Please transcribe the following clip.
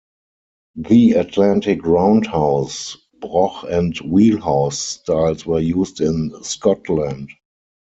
The Atlantic roundhouse, Broch and Wheelhouse styles were used in Scotland.